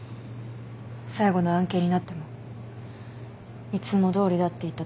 最後の案件になってもいつもどおりだって言ったとき。